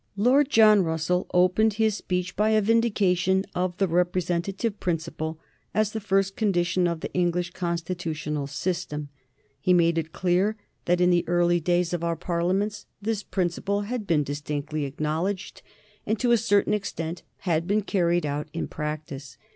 [Sidenote: 1831 Lord John Russell's speech] Lord John Russell opened his speech by a vindication of the representative principle as the first condition of the English constitutional system. He made it clear that in the early days of our Parliaments this principle had been distinctly acknowledged, and, to a certain extent, had been carried out in practice.